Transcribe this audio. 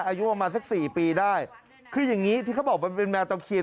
อายุมาสัก๔ปีได้คือยังงี้ที่เขาบอกว่าเป็นแมวตะเคียน